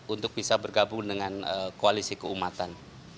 untuk bisa bergabung dengan koalisi keumatan